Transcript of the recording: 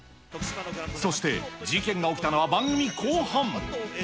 そして、事件が起きたのは番組後半。